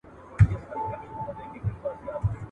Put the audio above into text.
راځه جهاني بس که د غزل له سترګو اوښکي !.